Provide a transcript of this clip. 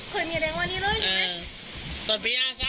เคยมีแรงว่านี้เลยใช่มั้ย